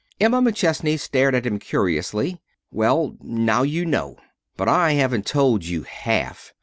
Emma McChesney stared at him curiously. "Well, now you know. But I haven't told you half.